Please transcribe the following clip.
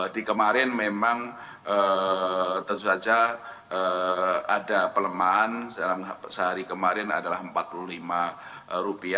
di kemarin memang tentu saja ada pelemahan dalam sehari kemarin adalah rp empat puluh lima